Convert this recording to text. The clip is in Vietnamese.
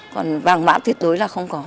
còn vàng mã tuyệt đối là không có